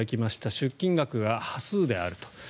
出金額が端数であると。